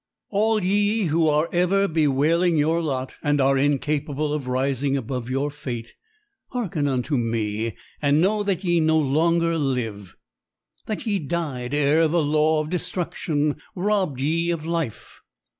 All ye who are ever bewailing your lot and are incapable of rising above your fate hearken unto me and know that ye no longer live, that ye died ere the law of destruction robbed ye of life!